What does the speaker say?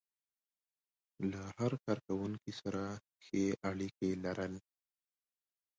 له هر کار کوونکي سره ښې اړيکې لرل.